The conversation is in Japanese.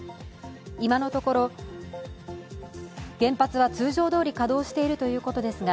今のところ、原発は通常どおり稼働しているということですが